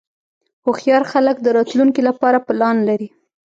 هوښیار خلک د راتلونکې لپاره پلان لري.